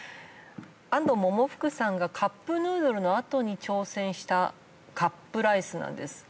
安藤百福さんがカップヌードルのあとに挑戦したカップライスなんです。